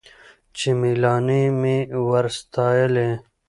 چي ملالیاني مي ور ستایلې